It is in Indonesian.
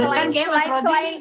degelengkan kayak mas rossi